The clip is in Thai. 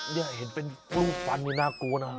นี่เห็นเป็นรูปฟันนี่น่ากลัวนะ